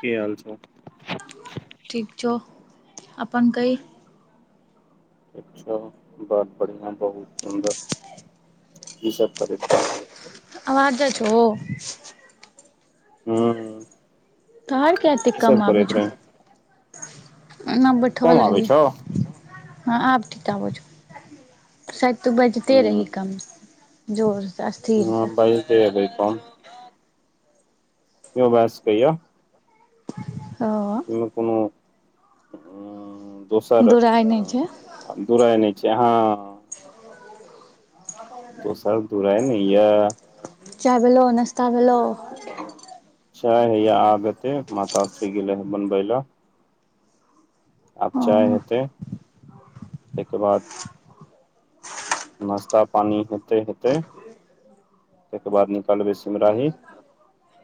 की हाल छो? ठीक छौ अपन कहि? अच्छा बहुत बढ़ियां बहुत सुन्दर की सब करैत रहि? आवाज जाइ छो? हूं। तोहर कै टा काम आबै छौ रही एना कम बैठल आबै छौ रीहे। हां आब ठीक आबै छौ, शैद तू बाजते हम्म रही कम। जोर से स्थिर से तै रहै कम। ईहो भै सके यै। हां। कुनू-कुनू उम्म दोसर दुराय नहि छै अ दूराए नै छै हाँ। दोसर दुराय नै यै। चाय भेलौ, नश्ता भेलौ। चाय हैया आब हेते माता श्री गेले हें बनबै लए। आब ओ चाय हेतै तएके बाद नाश्ता पानी हेते हेते तएके बाद निकलबे सिमराही।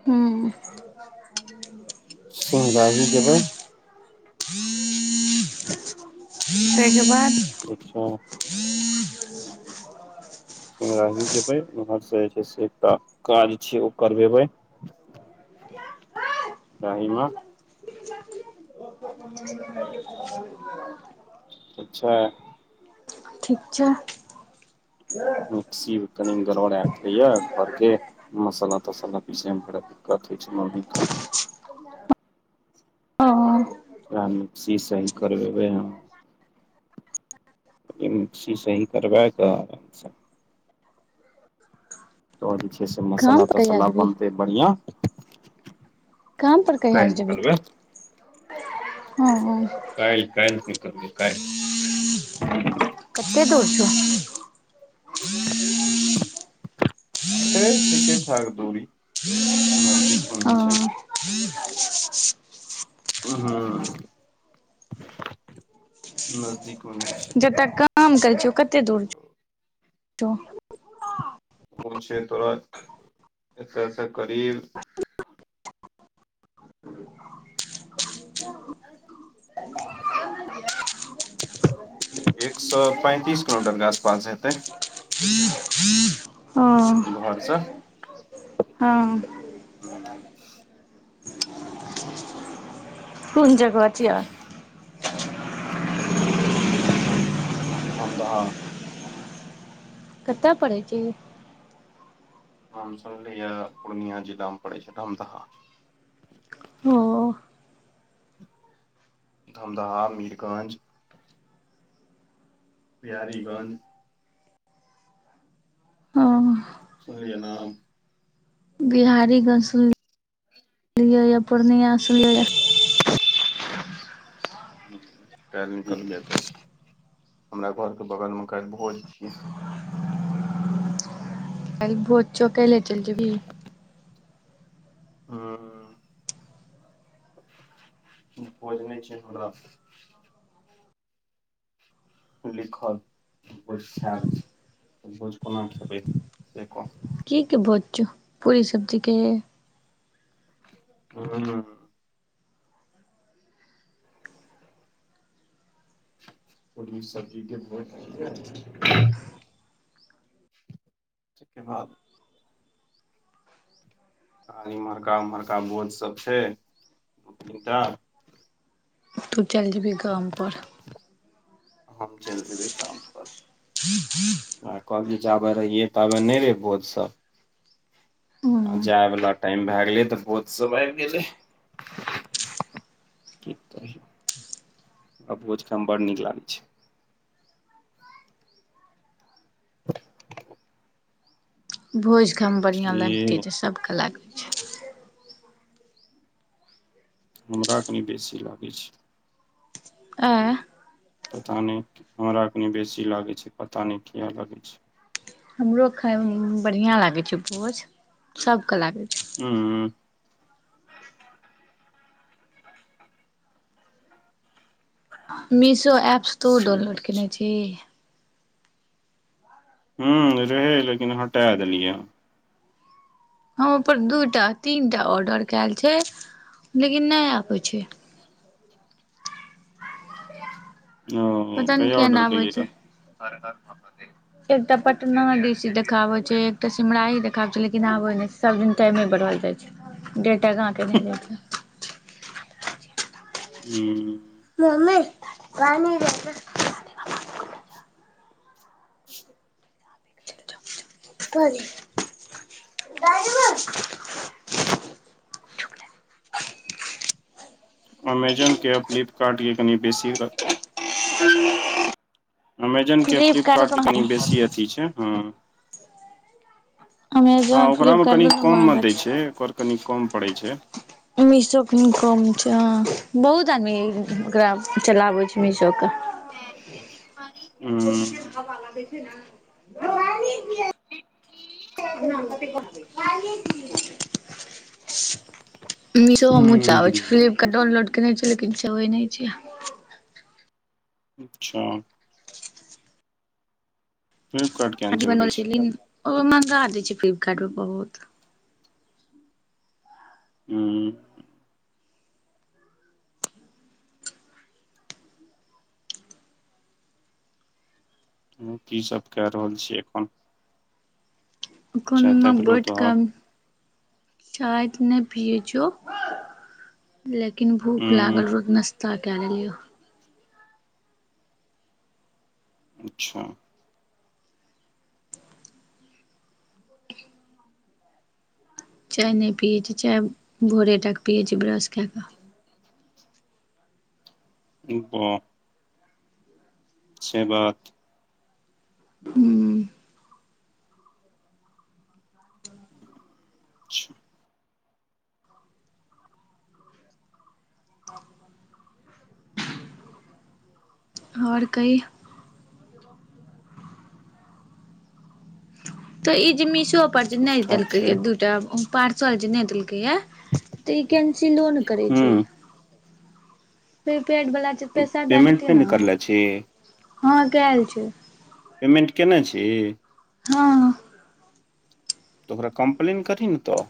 हूं। सिमराही जेबै। तै के बाद? ठीक छै? सिमराही जेबे उम्हर से जे छै एकटा काज छै ओ करवेबे। सिमराही में। ठीक छै। ठीक छै। मिक्सी कनि गरबड़े गेले यै घर के मसल्ला तसल्ला पीसे मे बड़ा दिक्कत होइ छै मम्मी के। ओ वैह मिक्सी सही करबेबै हम। ई मिक्सी सही करबै कै त जे छै से काम मसल्ला पर कहिया तसल्ला जेबही बनतै बढ़िआं। काम पर कहिआ जेबै? हं अं। कालि कालि निकलबै कालि। [unintelligible] छै ठीके ठाक दूरी, नजदीकमे नै छै। हँ उं हूं [inaudible] नजदीकमे नै छै। जत काम करै छीओ कतेक दूर [inaudible] छौ? उ छै तोरा एत सं करीब एक सौ पैंतीस किलोमीटर के आसपास हेतै। हँ घरसँ। हँ। ह कून जगह छीह? धमदाहा। कत पड़ै छै ई? नाम सुनलीह? पूर्णिया जिलामे पड़ै छै धमदहा। हं। धमदाहा, मीरगंज बिहारीगंज। ह सुनलीहे नाम? बिहारी गंज सुनलियै [inaudible] य पूर्णिया सुनलियैय य। [inaudible] हुं कालि निकलबै एत बस [inaudible] हमरा घरके बगलमे कालि भोज छियै। कालि भोज छौ कालिहे चैल जेभी? हुं [inaudible] भोज नै छै हमरा लिखल बोझ खाएब, बोझ कोना खेबै से कह। की के भोज छौ, पूरी सब्जीे के? हूं उं। पूरी सब्जी के भोज छियै। तै के बाद आ एम्हरका -उम्हरका भोझ सब छै दू तीनटा। तू चल जेबही काम पर। [inaudible] हम चैल जेबै काम पर [inaudible] वैह कहबी जाबे रहियै ताबे नै रहै भोज सब। हूं आ जाइ बला टाइम भा गेलै त भोज सब आबि गेलै। [inaudible] की कहियौ [inaudible] आ भोज खाइमे बड़ नीक लागै छै। भोज खाइमे बढ़ियां बुझलियै लैगते छै, सब के लागै छै हमरा कनी बेसी लागै छै। एं? पता नै, हमरा कनी बेसी लागेै छै, पता नै किए लागेै छै। हमरो खाइमे बढ़ियां लागै छै भोज, सब के लागै छै। हूँम्म। मिशो ऐप्स तुहुं से डाउनलोड बात केने छीही? हूँम्म रहै लेकिन हटा देलियै हं। हम ओपर दूटा, तीन टा ऑर्डर कैल छैय लेकिन नैय आबै छैय। ओ पता नहि कहिया किया ऑर्डर नहि आबै केलियै छै तऽ [unintelligible] एकटा पटना दिश देखाबै छै एकटा कैमरा आये देखाबै छैय लेकिन आबै नैय छैय सब दिन टाइमे बढ़ल जाय छैय डेट आगाँ केने जाय छैय। हूँ। मम्मी पानी दे दो। पानी दादी माँ। अमेजन के आ फ्लिपकार्ट के कनि बेसी अमेजन के अ फ्लिपकार्ट के कनि बेसी अथी छैय हँ। हँ अमेजोन ओकरा में फ्लिपकार्ट कनि दुनू कम में महगा दै छै छैय ओकर कनि कम पड़ै छैय। मीशो कनी कम छैय हँ। बहुत आदमी ओकरा चलाबै छैय मीशो कऽ। [unintelligible] हूँ केहेन हावा लागै छैय न रोहानी के। नाम कथि कहबै [unintelligible] मिशो हमहूँ चाबै हूँ छीयै फ्लिपकार्ट डाउनलोड केने छियै लेकिन चबै नैय छियै। अच्छा। फ्लिपकार्ट किया नहि कथि चलबै बनबै छी छेलियै ओ महंगा दै छैय फ्लिपकार्ट पर बहुत। हूँ। हूं की सब कए रहल छी एखन? एखन चाय ताय हम भेलौ बैठ तोहर कऽ चाय तऽ नैय पियै छियौ। लेकिन भूख हूँ लागल रो नाश्ता केए लेलियो। अच्छा। चाय नैय पियै छियै चाय भोरे टा कऽ पियै छियै ब्रश कए कऽ। उ अ से बात। हूँ च्छा। और कही। तऽ ई जे मिशोपर जे ठीक नैय ठाक देलकैए छै दू टा पार्सल जे नैय देलकैए तऽ ई कैन्सिलो नैय करै छैय। हूँ प्रीपैड वला छैय पैसा दए पेमेंट देतै नहि ने न करले छी हँ कैल छैय। पेमेन्ट केने छी? हँ। तऽ ओकरा कम्प्लेन करही न तऽ।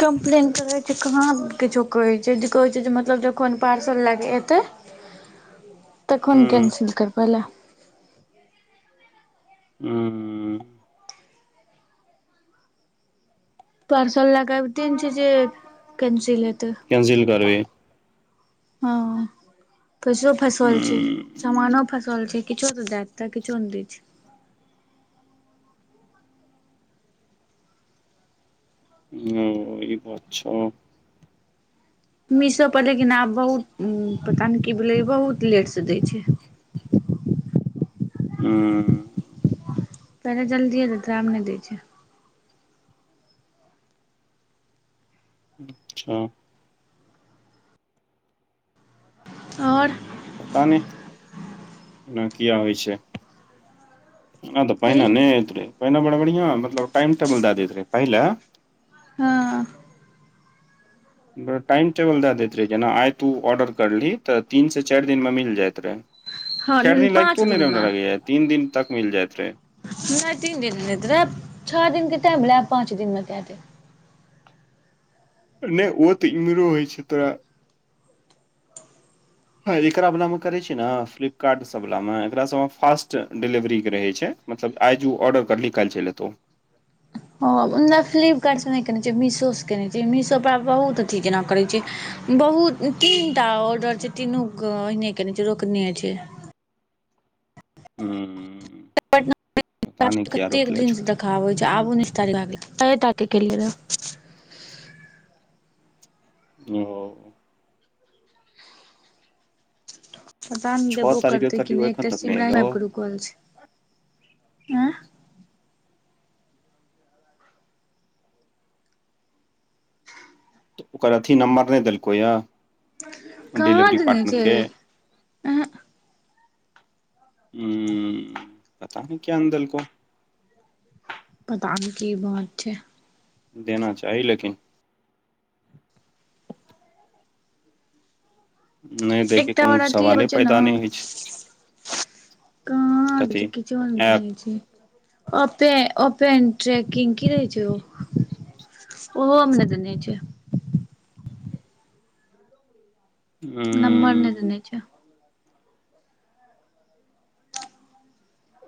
कम्प्लेन करै छैय कहाँ किछो कहै छैय जे कहै छैय जे मतलब जखन पार्सल लए कऽ एतै तखन हूँ कैंसिल करबै लए। उम्म। हूं। पार्सल लै कऽ अइबते नैय छै जे कैंसिल हेतै। कैंसिल करबी हँ पैसो फसल छै, हूँ समानो फसल छै। किछो तै दै दैते, किछो नै दै छै। ओ ई बात छो। मिशो पर लेकिन आब बहुत उम्म पता नै की भेले बहुत लेट से दै छै। हुं। पहिले जल्दिए देत रहे आब नै दै छै। अच्छा। और पता नै एना किया होइ छै। ऐना त की पहिने नै होैत रहै पहिने बड़ बढ़ियां मतलब टाइम टेबुल दए दैत रहै, पहिले हां। बड़ा टाइम टेबल दै दैत रहे जेना आइ तू ऑर्डर करलीह तऽ तीन से चार दिन में मिल जाइत रहे। हँ चार दिन लाएग पाँच तो नै रहे दिनमे हमरा लगे यै तीन दिन तक में मिल जायत रहे। नै तीन दिन में नै दै रहे, छ दिन के टाइम लै पाँच दिन मे दै दय। नै ओ तऽ इम्हरो होइ छै तोरा। हां एकरा वलामे करै छी नै फ्लिपकार्ट सब वलामे एकरा सबमे फास्ट डिलेवरी के रहै छै। मतलब आइ जे उ ऑर्डर करलीह काएल चैल एतौ। हां नै फ्लिपकार्ट से नै केने छीयै, मिशो से केने छीयै, मिशो कपड़ा बहुत अथी जेना करे छै, बहुत तीनटा ऑर्डर छै तीनू के ओहने कने छै, रोकने छै। हूं। एकटा के कतेक दिन छो से देखाबै छै आबो नै [unintelligible] कै टा के केलियै रहे? ओ। पता नै छओ देबो तारीख के करते की करलियौ नै एखन एकटा तक नहि सिमराही में एलौ आएब के रुकल छै, ए तऽ ओकर अथी नम्बर नै देलको यै? कहा देने छै, ऐहें उम्म पता नै किया नै देलको। पता नै की भाज छै। देना चाही लेकिन। नै दै के एकटा आओर कूनू अथी होइ सवाले छै ने पैदा नै होइ छै। कहा दै कथी छै किछो नै दइ ऐप छै। ओेपे ओपेन ट्रैकिंग की रहे छै होअ? उहो मे नै देने छै। नंबर नै उम्म देने छै।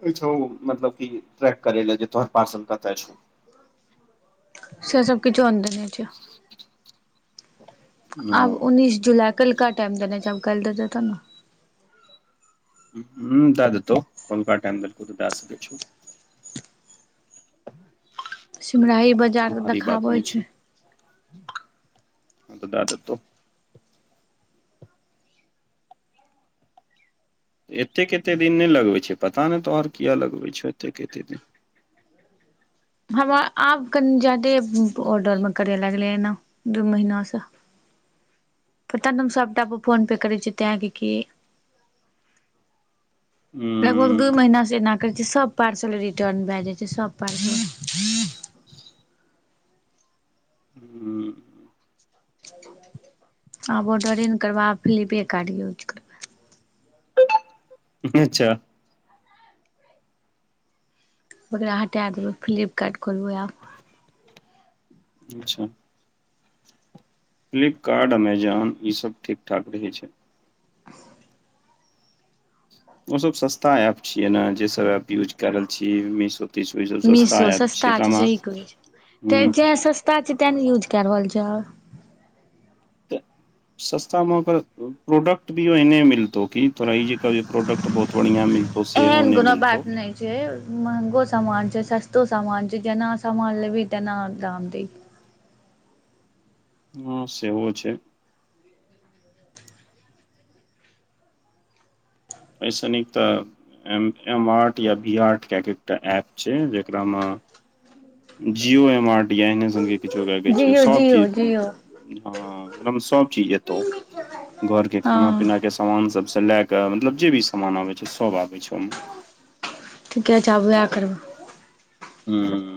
उ छो मतलब की ट्रैक करे लै जे तोहर पारसल कते छौ। से सब किछो नै देने छै। आब ओ उन्ननीस जुलाई कैल का टाइम देने छै, आब कएल दे तै तब नै। हुं दै देतौ कोलका टाइम देलको तै दै सकै छो। ह सिमराही बजा भारी बात नय छै, आब तै दै देतो। एतेक एते दिन नय लगबय छय पता नय तोहर किये लग बय छोउ एतेक एते दिन? हमर आब कनि जादे ऑर्डर मे करय लागले ऐना। दू महीना से पता नय हम सबटा पर फोन पे करय छियै तें कि की हुं। लगभग दू महिना से एना करय छीये सब पार्सल रिटर्न भै जाय छै सब पार्सल। हुं आब ऑर्डरे नै करबा, आब फ्लिपेकार्ट यूज कर अच्छा। ओकरा हटा देबै, फ्लिपकार्ट खोलबै आब। अच्छा। फ्लिपकार्ट, अमेजॉन ई सब ठीक-ठाक रहै छै। उ सब सस्ता एप छिये नै जे सब एप यूज काए रहल छी मीशो-तीशो इ सब सस्ता ऐप छै एकरा मे हुं। ता छै ताए नै यूज काए रहल छै। ते सस्ता मे ओकर प्रोडक्ट भी ओहने मिलतो की। तोरा इ जे कहबी जे प्रोडक्ट बहुत बढ़ियां मिलतो सेहो नै मिलतौ। जे महंगों समान छै, सस्तो समान छै, जेना समान लेबी तेना दाम दही। हां सेहो छै। अय से निक त एम एम आर्ट या भी आर्ट काए के एकटा एप छै, जेकरा मे जियो एम आर्ट या ऐहने सनके किछो काए के छै जियो सब जियो चीज जियो हां ओकरा मे सब चीज ऐतो। घर के हँ खाना-पीना के समान सब से लाए के मतलब जे भी समान आबै छै सब आबै छै ओय मे। ठीके छै आब वाएह करबै। हुं।